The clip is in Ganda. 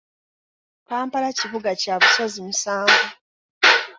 Kampala kibuga kya busozi musanvu